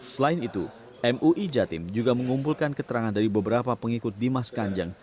selain itu mui jatim juga mengumpulkan keterangan dari beberapa pengikut dimas kanjeng